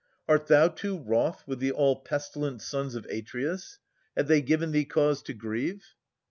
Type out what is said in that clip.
Art thou, too, wroth with the all pestilent sons Of Atreus? Have they given thee cause to grieve?